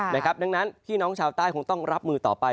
ดังนั้นพี่น้องชาวใต้คงต้องรับมือต่อไป